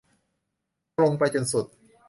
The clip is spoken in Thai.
ตรงไปจนสุด